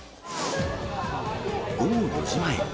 午後４時前。